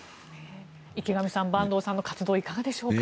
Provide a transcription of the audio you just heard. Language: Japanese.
池上さん、板東さんの活動いかがでしょうか。